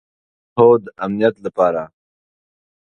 هو، د امنیت لپاره